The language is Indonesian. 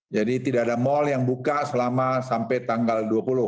tidak ada mal yang buka selama sampai tanggal dua puluh